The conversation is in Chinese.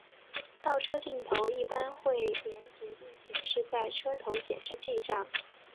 倒车镜头一般会连结并显示在车头显示器上。